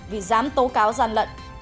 vì giám tố cáo gian lận